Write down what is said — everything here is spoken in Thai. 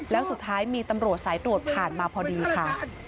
แล้วสุดท้ายมีตำรวจสายตรวจผ่านมาพอดีค่ะ